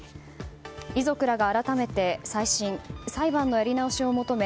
遺族らが改めて再審・裁判のやり直しを求め